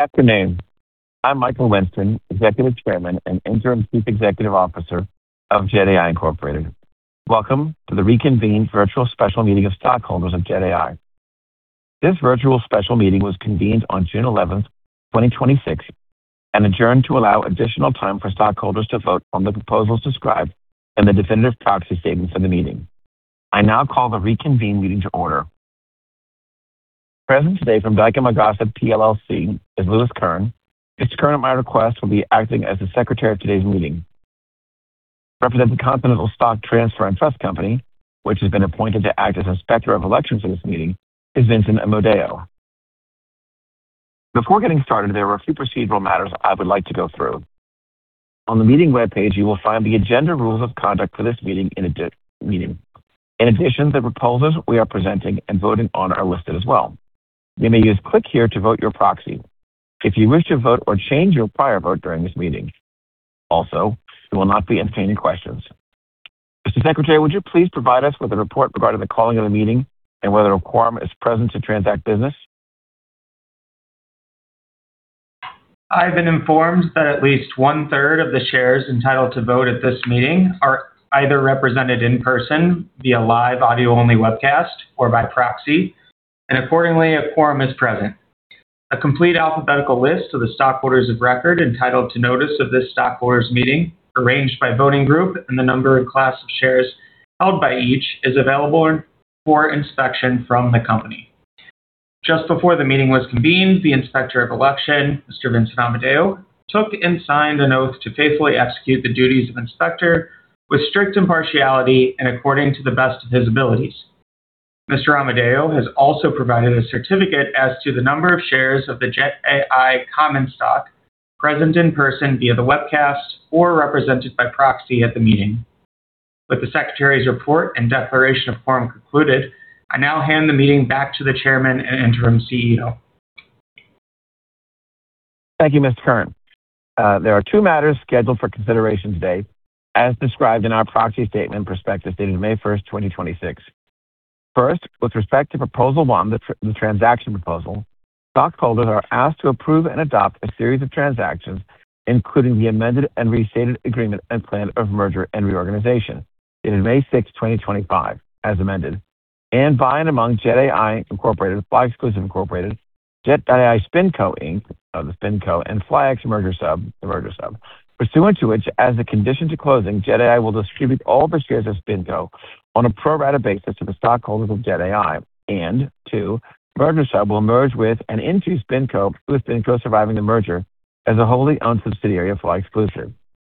Good afternoon. I'm Michael Winston, Executive Chairman and Interim Chief Executive Officer of Jet AI Incorporated. Welcome to the reconvened virtual special meeting of stockholders of Jet AI. This virtual special meeting was convened on June 11th, 2026, and adjourned to allow additional time for stockholders to vote on the proposals described in the definitive proxy statement for the meeting. I now call the reconvened meeting to order. Present today from Belk and McGossack PLLC is [Louis Kern.] Mr. Kern, at my request, will be acting as the secretary of today's meeting. Representing Continental Stock Transfer & Trust Company, which has been appointed to act as Inspector of Election in this meeting, is [Vincent Amodeo]. Before getting started, there are a few procedural matters I would like to go through. On the meeting webpage, you will find the agenda rules of conduct for this meeting. The proposals we are presenting and voting on are listed as well. You may use "click here" to vote your proxy if you wish to vote or change your prior vote during this meeting. Also, we will not be entertaining questions. Mr. Secretary, would you please provide us with a report regarding the calling of the meeting and whether a quorum is present to transact business? I've been informed that at least 1/3 of the shares entitled to vote at this meeting are either represented in person, via live audio-only webcast, or by proxy, and accordingly, a quorum is present. A complete alphabetical list of the stockholders of record entitled to notice of this stockholders' meeting, arranged by voting group and the number and class of shares held by each, is available for inspection from the company. Just before the meeting was convened, the Inspector of Election, Mr. Vince Amodeo, took and signed an oath to faithfully execute the duties of inspector with strict impartiality and according to the best of his abilities. Mr. Amodeo has also provided a certificate as to the number of shares of the Jet AI common stock present in person via the webcast or represented by proxy at the meeting. With the secretary's report and declaration of quorum concluded, I now hand the meeting back to the chairman and interim CEO. Thank you, Mr. Kern. There are two matters scheduled for consideration today, as described in our proxy statement/prospectus dated May 1st, 2026. First, with respect to proposal 1, the transaction proposal, stockholders are asked to approve and adopt a series of transactions, including the amended and restated agreement and plan of merger and reorganization. It is May 6, 2025, as amended, and by and among Jet AI Incorporated, FlyExclusive Incorporated, Jet AI SpinCo, Inc., the SpinCo, and FlyEx Merger Sub, the Merger Sub. Pursuant to which, as a condition to closing, Jet AI will distribute all of its shares of SpinCo on a pro rata basis to the stockholders of Jet AI. 2, Merger Sub will merge with and into SpinCo with SpinCo surviving the merger as a wholly owned subsidiary of flyExclusive.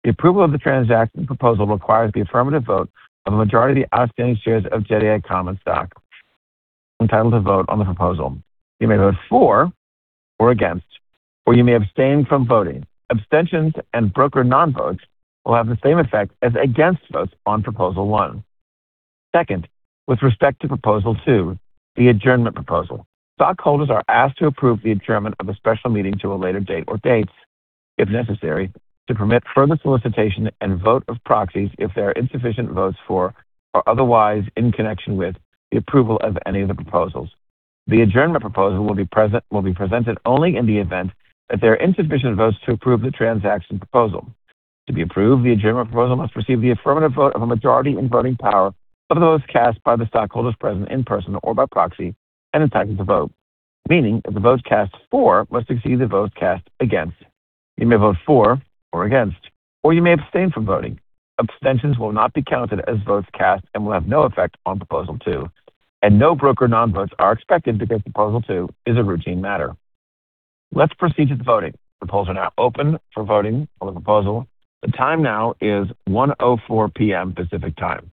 The approval of the transaction proposal requires the affirmative vote of a majority of the outstanding shares of Jet AI common stock entitled to vote on the proposal. You may vote for or against, or you may abstain from voting. Abstentions and broker non-votes will have the same effect as against votes on proposal 1. Second, with respect to proposal 2, the adjournment proposal, stockholders are asked to approve the adjournment of a special meeting to a later date or dates, if necessary, to permit further solicitation and vote of proxies if there are insufficient votes for or otherwise in connection with the approval of any of the proposals. The adjournment proposal will be presented only in the event that there are insufficient votes to approve the transaction proposal. To be approved, the adjournment proposal must receive the affirmative vote of a majority in voting power of the votes cast by the stockholders present in person or by proxy and entitled to vote, meaning that the votes cast for must exceed the votes cast against. You may vote for or against, or you may abstain from voting. Abstentions will not be counted as votes cast and will have no effect on proposal 2, and no broker non-votes are expected because proposal 2 is a routine matter. Let's proceed to the voting. Polls are now open for voting on the proposal. The time now is 1:04 P.M. Pacific Time.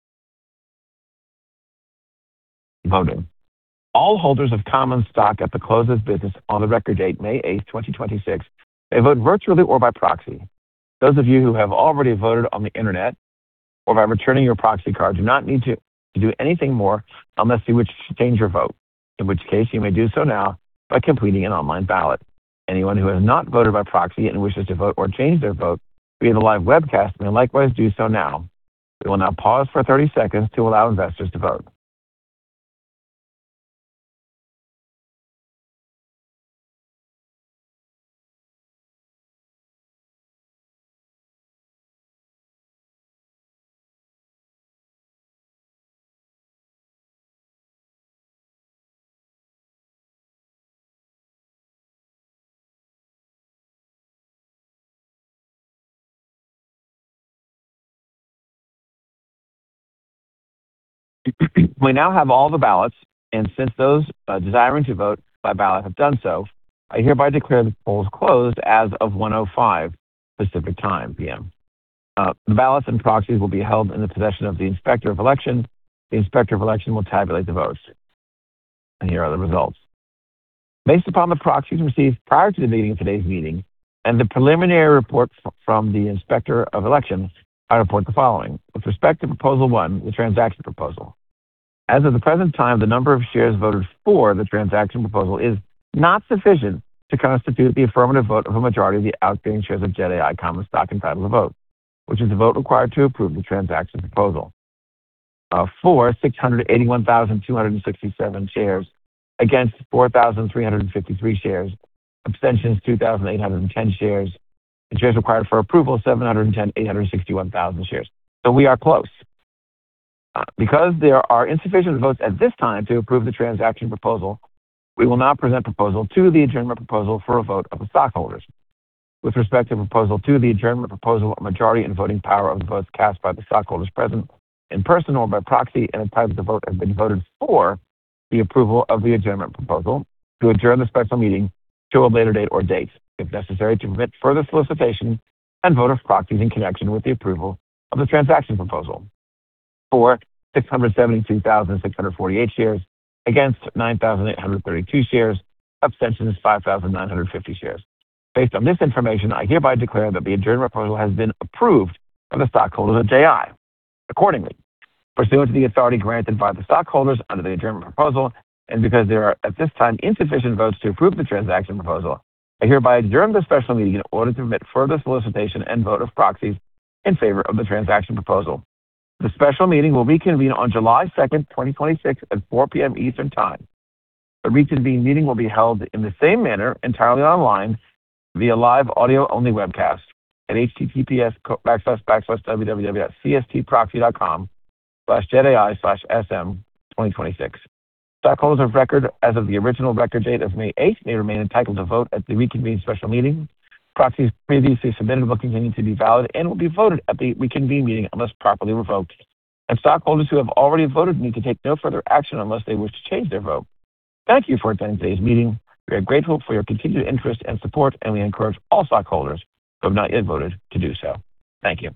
Voting. All holders of common stock at the close of business on the record date, May 8th, 2026, may vote virtually or by proxy. Those of you who have already voted on the internet or by returning your proxy card do not need to do anything more unless you wish to change your vote, in which case you may do so now by completing an online ballot. Anyone who has not voted by proxy and wishes to vote or change their vote via the live webcast may likewise do so now. We will now pause for 30 seconds to allow investors to vote. We now have all the ballots, and since those desiring to vote by ballot have done so, I hereby declare the polls closed as of 1:05 P.M. Pacific Time. The ballots and proxies will be held in the possession of the Inspector of Election. The Inspector of Election will tabulate the votes. Here are the results. Based upon the proxies received prior to the meeting of today's meeting and the preliminary report from the Inspector of Election, I report the following. With respect to proposal one, the transaction proposal. As of the present time, the number of shares voted for the transaction proposal is not sufficient to constitute the affirmative vote of a majority of the outstanding shares of Jet AI common stock entitled to vote, which is the vote required to approve the transaction proposal. For 681,267 shares, against 4,353 shares. Abstentions 2,810 shares. Shares required for approval, 710,861 shares. We are close. Because there are insufficient votes at this time to approve the transaction proposal, we will now present proposal two of the adjournment proposal for a vote of the stockholders. With respect to proposal two of the adjournment proposal, a majority in voting power of the votes cast by the stockholders present, in person or by proxy, and entitled to vote have been voted for the approval of the adjournment proposal to adjourn the special meeting to a later date or dates, if necessary, to permit further solicitation and vote of proxies in connection with the approval of the transaction proposal. For 672,648 shares, against 9,832 shares. Abstentions 5,950 shares. Based on this information, I hereby declare that the adjournment proposal has been approved by the stockholders of Jet AI. Accordingly, pursuant to the authority granted by the stockholders under the adjournment proposal, and because there are at this time insufficient votes to approve the transaction proposal, I hereby adjourn the special meeting in order to permit further solicitation and vote of proxies in favor of the transaction proposal. The special meeting will reconvene on July 2nd, 2026 at 4:00 P.M. Eastern Time. The reconvened meeting will be held in the same manner, entirely online via live audio-only webcast at https://www.cstproxy.com/jetai/sm2026. Stockholders of record as of the original record date of May 8th may remain entitled to vote at the reconvened special meeting. Proxies previously submitted will continue to be valid and will be voted at the reconvened meeting unless properly revoked. Stockholders who have already voted need to take no further action unless they wish to change their vote. Thank you for attending today's meeting. We are grateful for your continued interest and support, and we encourage all stockholders who have not yet voted to do so. Thank you.